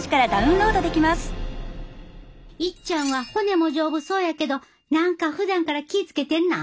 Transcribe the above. いっちゃんは骨も丈夫そうやけど何かふだんから気ぃ付けてんの？